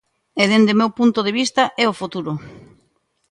E dende o meu punto de vista é o futuro.